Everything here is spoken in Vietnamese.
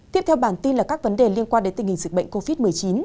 tiếp theo bản tin là các vấn đề liên quan đến tình hình dịch bệnh covid một mươi chín